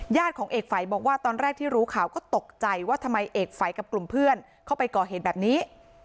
ของเอกฝัยบอกว่าตอนแรกที่รู้ข่าวก็ตกใจว่าทำไมเอกฝัยกับกลุ่มเพื่อนเข้าไปก่อเหตุแบบนี้